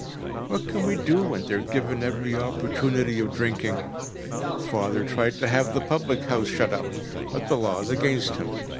“What can we do when they are given every opportunity of drinking? Father tried to have the public house shut up, but the law is against him.